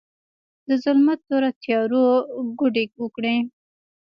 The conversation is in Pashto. د ظلمت تورو تیارو، کوډې وکړې